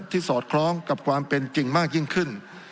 สอดคล้องกับความเป็นจริงมากยิ่งขึ้น